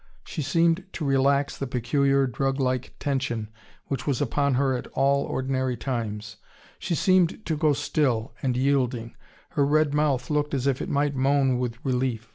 She seemed to relax the peculiar, drug like tension which was upon her at all ordinary times. She seemed to go still, and yielding. Her red mouth looked as if it might moan with relief.